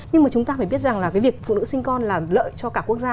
nhưng mà chúng ta phải biết rằng là cái việc phụ nữ sinh con là lợi cho cả quốc gia